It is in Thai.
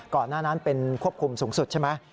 ก่อนหน้านั้นเป็นควบคุมสูงสุดใช่ไหม